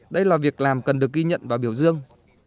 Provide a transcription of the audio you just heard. đây là việc làm cần được ghi nhận và biểu dương